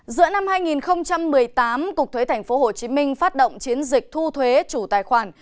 giữa năm hai nghìn một mươi tám cục thuế thành phố hồ chí minh phát động chiến dịch thu thuế chủ tài khoản